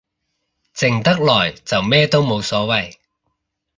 靜得耐就咩都冇所謂